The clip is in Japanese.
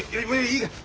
いいから。